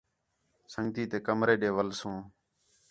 سنڳتی تے کمرے ݙے ویلسوں